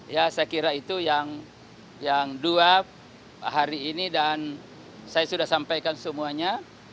ya saya kira itu yang dua hari ini dan saya sudah sampaikan semuanya